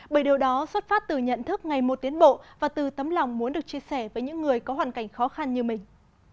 bởi điều đó xuất phát từ nhận thức ngày một tiến bộ và từ tấm lòng muốn được chia sẻ với những người có hoàn cảnh khó khăn như mình